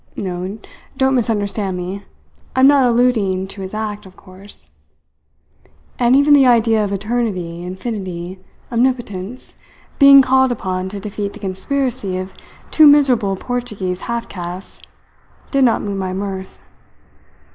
No, don't misunderstand me I am not alluding to his act, of course. And even the idea of Eternity, Infinity, Omnipotence, being called upon to defeat the conspiracy of two miserable Portuguese half castes did not move my mirth.